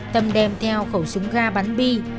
tâm đem theo khẩu súng ga bắn bi